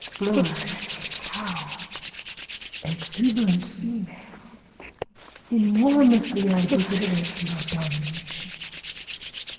BLOOM: (Cowed.) Exuberant female. Enormously I desiderate your domination.